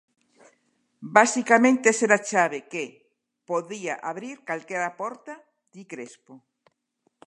Basicamente ser a chave que "podía abrir calquera porta", di Crespo.